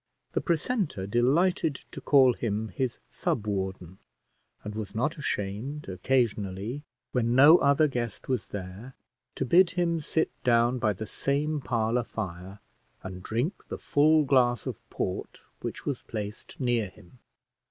The precentor delighted to call him his sub warden, and was not ashamed, occasionally, when no other guest was there, to bid him sit down by the same parlour fire, and drink the full glass of port which was placed near him.